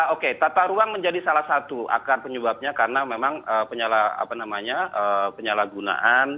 oke tata ruang menjadi salah satu akar penyebabnya karena memang penyalahgunaan